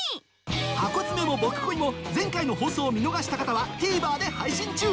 『ハコヅメ』も『ボク恋』も前回の放送を見逃した方はＴＶｅｒで配信中